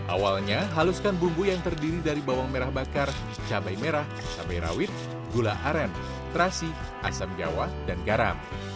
awalnya haluskan bumbu yang terdiri dari bawang merah bakar cabai merah cabai rawit gula aren terasi asam jawa dan garam